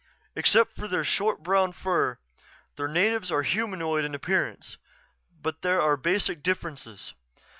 "Except for their short brown fur, the natives are humanoid in appearance. But there are basic differences.